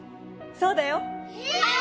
そうだよ。